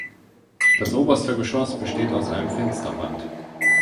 Das oberste Geschoss besteht aus einem Fensterband.